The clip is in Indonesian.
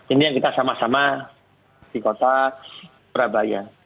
ini yang kita sama sama di kota surabaya